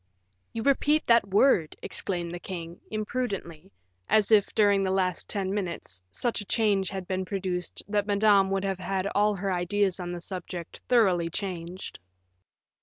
"You repeat that word," exclaimed the king, imprudently, as if, during the last ten minutes, such a change had been produced that Madame would have had all her ideas on the subject thoroughly changed.